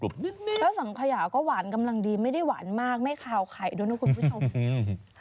เนื้อสังขยาก็หวานกำลังดีไม่ได้หวานมากไม่คราวไข่ดูเนี่ยคุณผู้ชม